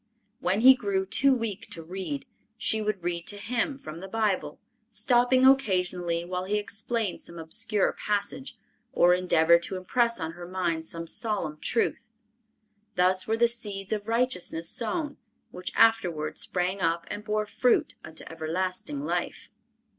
When he grew too weak to read, she would read to him from the Bible, stopping occasionally, while he explained some obscure passage, or endeavored to impress on her mind some solemn truth. Thus were the seeds of righteousness sown, which afterward sprang up and bore fruit unto everlasting life.